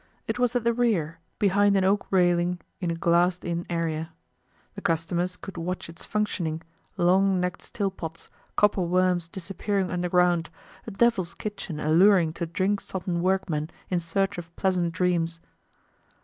It was at the rear, behind an oak railing in a glassed in area. The customers could watch its functioning, long necked still pots, copper worms disappearing underground, a devil's kitchen alluring to drink sodden work men in search of pleasant dreams.